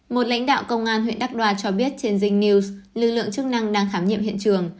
một lãnh đạo công an huyện đắk đoà cho biết trên dinh news lưu lượng chức năng đang khám nhiệm hiện trường